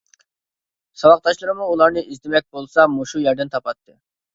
ساۋاقداشلىرىمۇ ئۇلارنى ئىزدىمەك بولسا مۇشۇ يەردىن تاپاتتى.